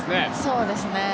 そうですね。